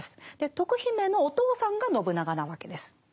徳姫のお父さんが信長なわけです。